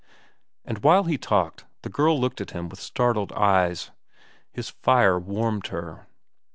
And while he talked, the girl looked at him with startled eyes. His fire warmed her.